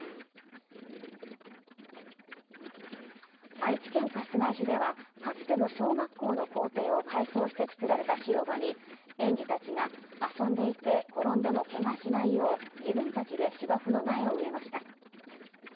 愛知県春日井市ではかつての小学校の校庭を改装して作られた広場に園児たちが遊んでいて転んでもけがしないよう自分たちで芝生の苗を植えました。